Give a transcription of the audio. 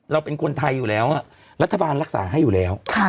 เราเป็นคนไทยอยู่แล้วรัฐบาลรักษาให้อยู่แล้ว